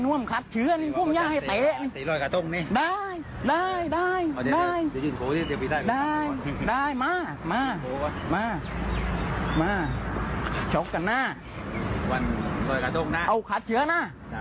ในนี้นะขัดเชื้อนะ